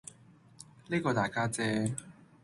呢個大家姐